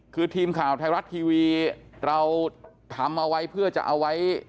คือทีมข่าวไทยรัฐทีวีเราทำเอาไว้เพื่อจะเอาไว้